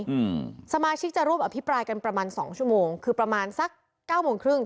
อืมสมาชิกจะรวบอภิปรายกันประมาณสองชั่วโมงคือประมาณสักเก้าโมงครึ่ง